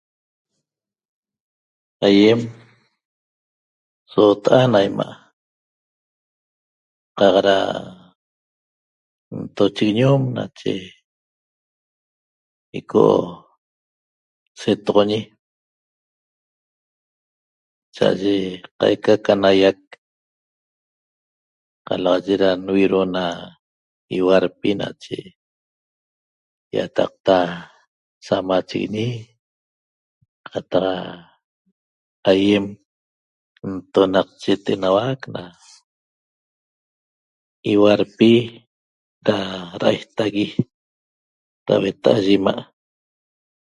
Aiem soota'a na ima' qaq ra ntochiguiñom nache ico setoxoñi cha'aye qaica ca naiac qalaxaye ra nvirhuo na ihuarpi nache iataqta samachiguiñi qataq aiem ntonaqchet enauac na ihuarpi ra raistagui ra hueta'a ye ima'